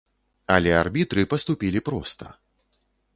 Але арбітры паступілі проста.